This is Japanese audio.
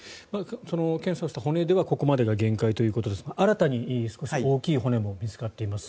検査をした骨ではここまでが限界ということですが新たに、少し大きい骨も見つかっています。